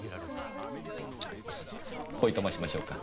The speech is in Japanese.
チッ！おいとましましょうか？